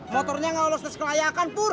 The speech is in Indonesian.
motornya ga lolos des kelayakan purr